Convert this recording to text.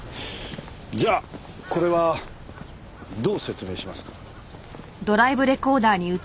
じゃあこれはどう説明しますか？